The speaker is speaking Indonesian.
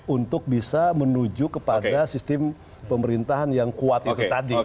untuk bisa menuju kepada sistem pemerintahan yang kuat itu tadi